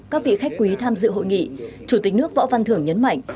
các vị khách quý tham dự hội nghị chủ tịch nước võ văn thưởng nhấn mạnh